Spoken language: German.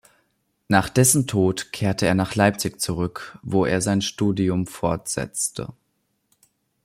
Nach dessen Tod kehrte er nach Leipzig zurück, wo er sein Studium fortsetzte.